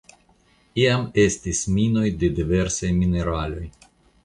Iam estis minoj de diversaj mineraloj.